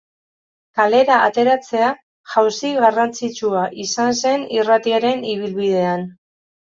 Kalera ateratzea jauzi garrantzitsua izan zen irratiaren ibilbidean.